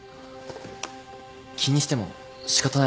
気にしても仕方ないだろ。